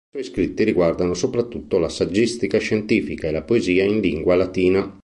I suoi scritti riguardano soprattutto la saggistica scientifica e la poesia in lingua latina.